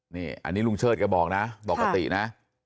นี่อันนี้ลุงเชิดแกบอกนะปกตินะ